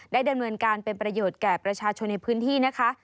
ดำเนินการเป็นประโยชน์แก่ประชาชนในพื้นที่นะคะ